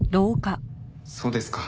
そうですか。